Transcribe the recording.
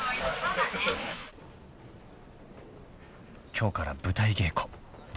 ［今日から舞台稽古］